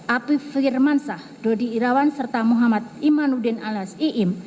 apif firmansyah dodi irawan serta muhammad imanuddin alias iim